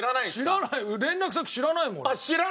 知らない連絡先知らないもん俺。